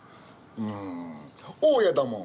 うーん大家だもん。